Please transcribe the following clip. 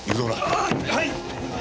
ああはい！